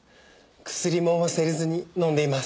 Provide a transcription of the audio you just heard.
薬も忘れずに飲んでいます。